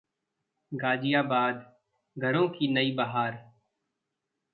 गाजियाबाद: घरों की नई बहार